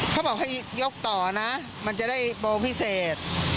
เขาบอกให้ยกต่อนะมันจะได้โปรพิเศษ